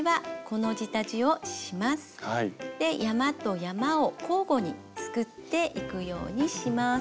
で山と山を交互にすくっていくようにします。